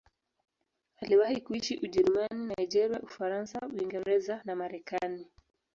Aliwahi kuishi Ujerumani, Nigeria, Ufaransa, Uingereza na Marekani.